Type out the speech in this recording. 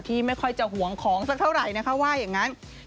ที่ไม่ค่อยจะหวงของสักเท่าไหร่นะคะ